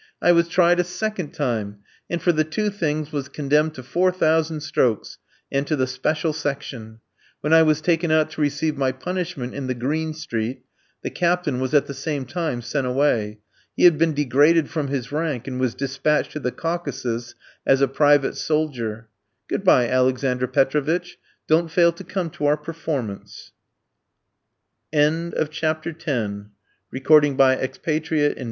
I was tried a second time, and for the two things was condemned to four thousand strokes, and to the special section. When I was taken out to receive my punishment in the Green Street, the captain was at the same time sent away. He had been degraded from his rank, and was despatched to the Caucasus as a private soldier. Good bye, Alexander Petrovitch. Don't fail to come to our performance." CHAPTER XI. THE CHRISTMAS HOLIDAYS The holidays were approaching.